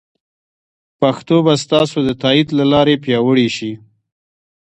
پښتو به ستاسو د تایید له لارې پیاوړې شي.